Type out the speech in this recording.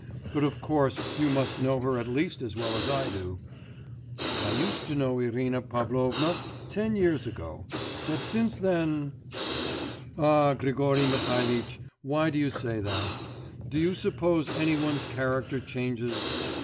But of course you must know her at least as well as I do.' 'I used to know Irina Pavlovna ten years ago; but since then ' 'Ah, Grigory Mihalitch, why do you say that? Do you suppose any one's character changes?